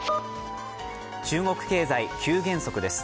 中国経済、急減速です。